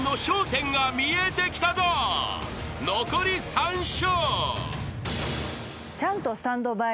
［残り３笑］